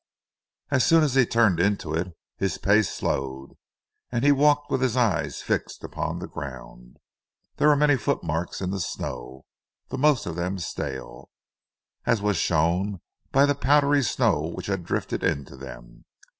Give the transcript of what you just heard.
As soon as he turned into it, his pace slowed, and he walked with his eyes fixed upon the ground. There were many footmarks in the snow, the most of them stale, as was shown by the powdery snow which had drifted into them.